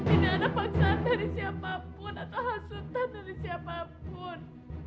ini anak paksaan dari siapa pun atau hasutan dari siapa pun